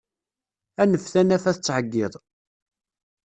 Anef tanafa tettɛeggiḍ.